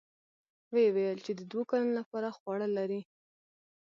ويې ويل چې د دوو کلونو له پاره خواړه لري.